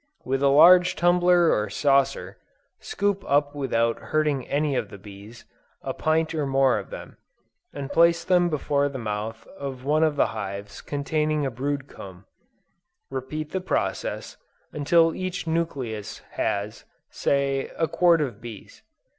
With a large tumbler or saucer, scoop up without hurting any of the bees, a pint or more of them, and place them before the mouth of one of the hives containing a brood comb; repeat the process, until each nucleus has, say, a quart of bees.